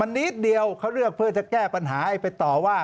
นิดเดียวเขาเลือกเพื่อจะแก้ปัญหาไอ้ไปต่อว่า